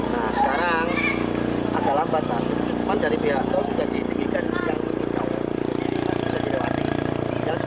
nah sekarang agak lambat kan dari pihak tol sudah ditinggikan yang belum dijawab